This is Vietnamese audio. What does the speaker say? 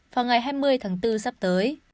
vào ngày hai mươi tháng bốn sắp tới